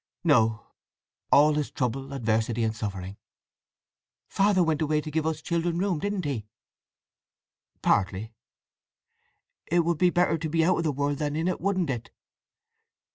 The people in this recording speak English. "No! All is trouble, adversity, and suffering!" "Father went away to give us children room, didn't he?" "Partly." "It would be better to be out o' the world than in it, wouldn't it?"